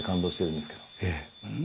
ええ。